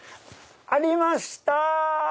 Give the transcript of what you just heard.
ありました！